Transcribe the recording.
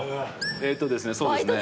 えっとですね。